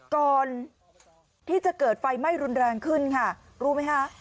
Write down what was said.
ก่อนที่จะเกิดไฟไหม้รุนแรงขึ้นค่ะรู้ไหมคะ